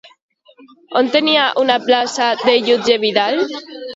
On tenia una plaça de jutge Vidal?